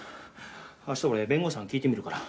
明日俺弁護士さんに聞いてみるから。